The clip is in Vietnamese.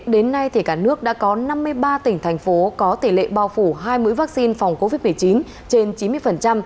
đến nay cả nước đã có năm mươi ba tỉnh thành phố có tỷ lệ bao phủ hai mũi vaccine phòng covid một mươi chín trên chín mươi